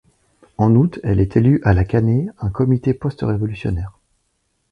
En août, est élu à La Canée un comité post-révolutionnaire.